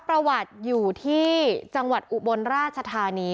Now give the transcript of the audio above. ประวัติอยู่ที่จังหวัดอุบลราชธานี